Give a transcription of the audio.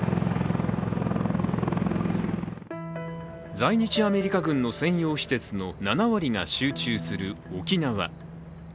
在日アメリカ軍の専用施設の７割が集中する沖縄。